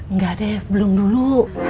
enggak deh belum dulu